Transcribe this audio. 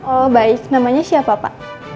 oh baik namanya siapa pak